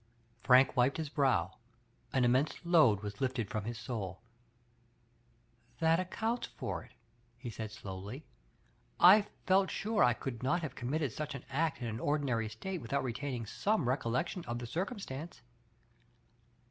Frank wiped his brow; an immense load was lifted from his souL "That accounts for it,*' he said slowly, I felt sure I could not have cona mitted such an act in ^n ordinary state without retaining some recollection of the circumstance.